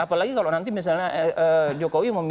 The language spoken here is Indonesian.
apalagi kalau nanti misalnya jokowi memilih